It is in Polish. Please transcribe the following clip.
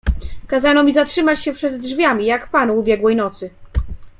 "Kazano mi zatrzymać się przed drzwiami, jak panu ubiegłej nocy."